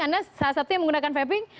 anda salah satu yang menggunakan vaping